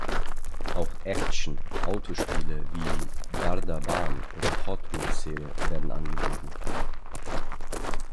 Auch "Action"-Autospiele wie die Darda-Bahn oder Hot Wheels-Serie werden angeboten.